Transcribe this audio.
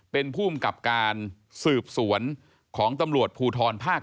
เป็นภูมิกับการสืบสวนของตำรวจภูทรภาค๙